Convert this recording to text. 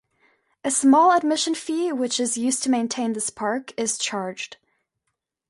A small admission fee, which is used to maintain this park, is charged.